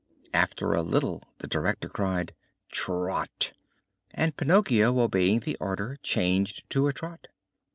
After a little the director cried: "Trot!" and Pinocchio, obeying the order, changed to a trot.